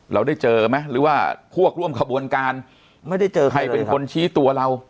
เราได้เจอไหมหรือว่าพวกร่วมขบวนการไม่ได้เจอใครเป็นคนชี้ตัวเรา